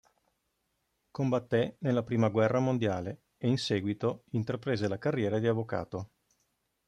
Combatté nella prima guerra mondiale e in seguito intraprese la carriera di avvocato.